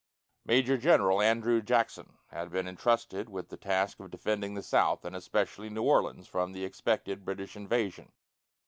Major General Andrew Jackson had been intrusted with the task of defending the South, and especially New Orleans, from the expected British invasion.